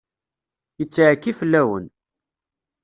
Yettɛekki fell-awen.